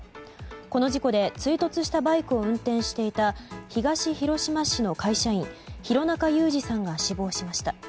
この事故で追突していたバイクを運転していた東広島市の会社員広中勇二さんが死亡しました。